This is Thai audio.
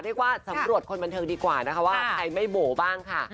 เรียกว่าสำรวจคนบันเทิงดีกว่านะคะว่าใครไม่โบบ้างค่ะ